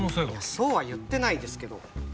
そうは言ってないですけど。